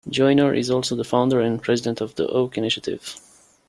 Joyner is also the founder and president of the Oak Initiative.